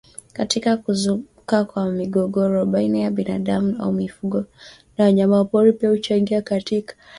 katika kuzuka kwa migogoro baina ya binadamu au mifugo na wanyamapori pia huchangia katika